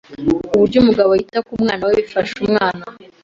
Uburyo umugabo yita ku mwana we bifasha umwana,